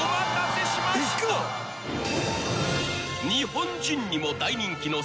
［日本人にも大人気の］